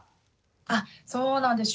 あそうなんです。